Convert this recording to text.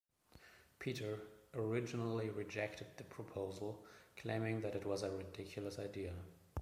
Peter originally rejected the proposal claiming that it was a ridiculous idea.